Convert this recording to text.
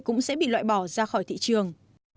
cũng sẽ bị loại bỏ ra khỏi thị trường